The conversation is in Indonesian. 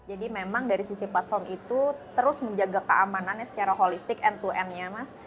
jadi memang dari sisi platform itu terus menjaga keamanannya secara holistic end to end nya mas